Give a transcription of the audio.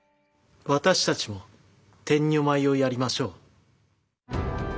私たちも天女舞をやりましょう。